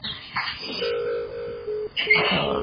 მთავარ როლს თავად ფელინი ასრულებს.